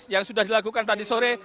yang sudah dilakukan tadi sore